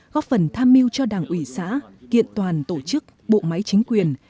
góp phần tham mưu cho đảng ủy xã kiện toàn tổ chức bộ máy chính quyền